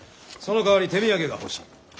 そのかわり手土産が欲しい。